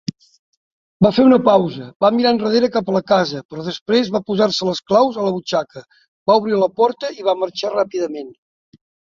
Va fer una pausa, va mirar enrere cap a la casa, però després va posar-se les claus a la butxaca, va obrir la porta i va marxar ràpidament.